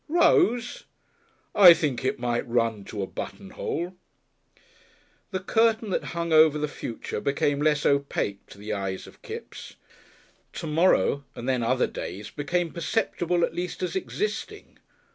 "Rose?" "I think it might run to a buttonhole." The curtain that hung over the future became less opaque to the eyes of Kipps. To morrow, and then other days, became perceptible at least as existing.